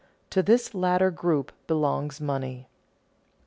To this latter group belongs money.